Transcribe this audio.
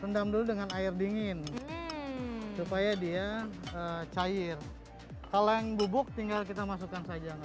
rendam dulu dengan air dingin supaya dia cair kalau yang bubuk tinggal kita masukkan saja